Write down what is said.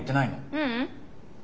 ううん。